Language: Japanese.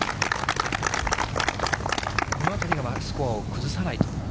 このあたりがワンスコアを崩さないと。